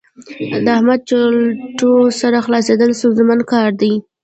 د احمد په چلوټو سر خلاصېدل ستونزمن کار دی.